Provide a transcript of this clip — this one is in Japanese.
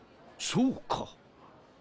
そうか。